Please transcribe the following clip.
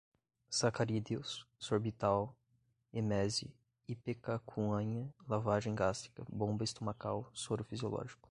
sacarídeos, sorbitol, emese, ipecacuanha, lavagem gástrica, bomba estomacal, soro fisiológico